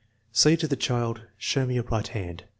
Say to the child: " Show me your right hand."